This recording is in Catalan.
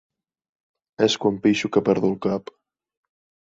És quan pixo que perdo el cap.